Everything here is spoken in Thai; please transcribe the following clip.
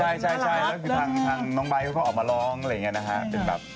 ใช่ใช่ใช่ทางน้องใบท์เว้ยเขาก็ออกมาร้องเป็นแบบ